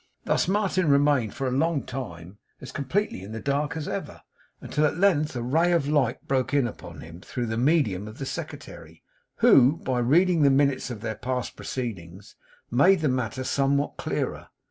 Thus Martin remained for a long time as completely in the dark as ever; until at length a ray of light broke in upon him through the medium of the Secretary, who, by reading the minutes of their past proceedings, made the matter somewhat clearer.